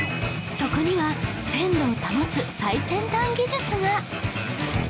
そこには鮮度を保つ最先端技術が！